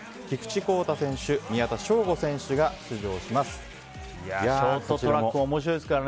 菊池耕太選手、宮田将吾選手が出場します。